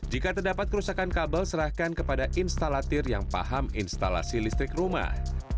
jika terdapat kerusakan kabel serahkan kepada instalatir yang paham instalasi listrik rumah